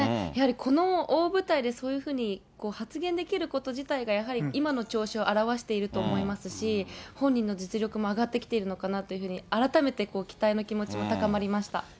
やはりこの大舞台でそういうふうに発言できること自体がやはり今の調子を表していると思いますし、本人の実力も上がってきているのかなというふうに、改めて期待の気持ちも高まりました。